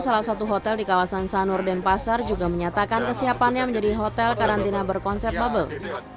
salah satu hotel di kawasan sanur denpasar juga menyatakan kesiapannya menjadi hotel karantina berkonsep bubble